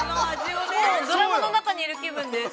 ◆もう、ドラマの中にいる気分です。